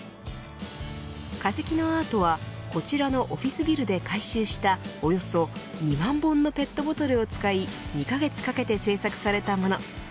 化石のアートはこちらのオフィスビルで回収したおよそ２万本のペットボトルを使い２カ月かけて制作されたもの。